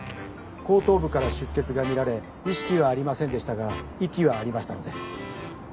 後頭部から出血が見られ意識はありませんでしたが息はありましたので。